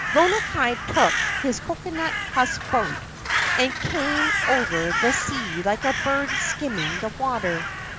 Lono kai took his coconut husk boat and came over the sea like a bird skimming the water.